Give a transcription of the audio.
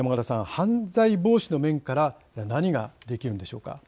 犯罪防止の面から何ができるのでしょうか。